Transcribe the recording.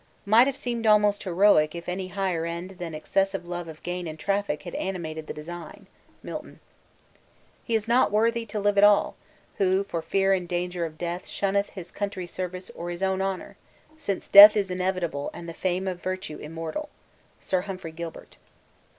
'Might have seemed almost heroic if any higher end than excessive love of gain and traffic had animated the design.' MILTON. 'He is not worthy to live at all, who, for fear and danger of death shunneth his country's service or his own honour, since death is inevitable and the fame of virtue immortal.' SIR HUMPHREY GILBERT.